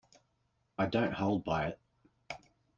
I don’t hold by it.